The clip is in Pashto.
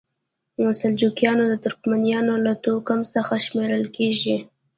سلجوقیان د ترکمنانو له توکم څخه شمیرل کیږي.